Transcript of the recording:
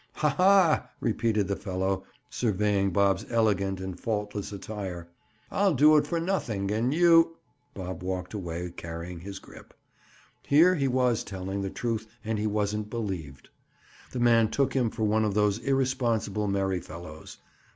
"Ha! ha!" repeated the fellow, surveying Bob's elegant and faultless attire, "I'll do it for nothing, and you—" Bob walked away carrying his grip. Here he was telling the truth and he wasn't believed. The man took him for one of those irresponsible merry fellows.